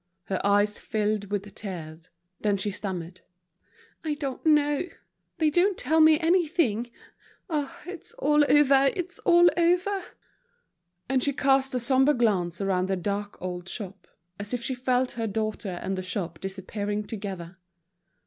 Her eyes filled with tears. Then she stammered: "I don't know; they don't tell me anything. Ah, it's all over, it's all over." And she cast a sombre glance around the dark old shop, as if she felt her daughter and the shop disappearing together.